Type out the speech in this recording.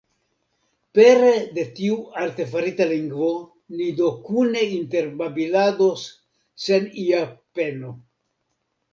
Pere de tiu artefarita lingvo ni do kune interbabilados sen ia peno.